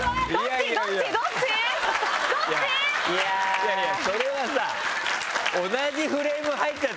いやいやそれはさ。